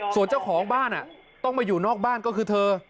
ส่วนเจ้าของบ้านต้องมาอยู่นอกบ้านก็คือเธอ